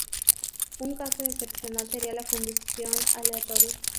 Un caso excepcional sería la función aleatorio.